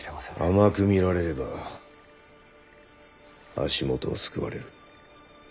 甘く見られれば足元をすくわれる。